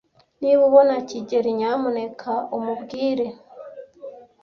Niba ubona kigeli, nyamuneka umubwire.